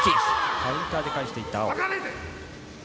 カウンターで返していった青。